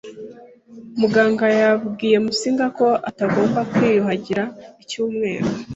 Muganga yabwiye Musinga ko atagomba kwiyuhagira icyumweru.